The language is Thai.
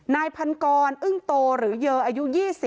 นายพันกรอึ้งโตหรือเยออายุ๒๐